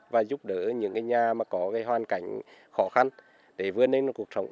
và giúp đỡ những nhà có hoàn cảnh khó khăn để vươn lên cuộc sống